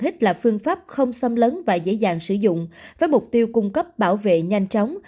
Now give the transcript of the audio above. hit là phương pháp không xâm lấn và dễ dàng sử dụng với mục tiêu cung cấp bảo vệ nhanh chóng